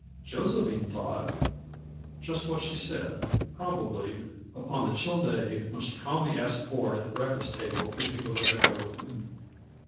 Josephine thought just what she said, probably, upon the chill day when she calmly asked Ford at the breakfast table if he would let her go with him.